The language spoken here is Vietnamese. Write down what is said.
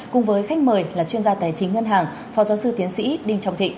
cùng với khách mời là chuyên gia tài chính ngân hàng phó giáo sư tiến sĩ đinh trọng thịnh